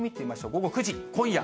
午後９時、今夜。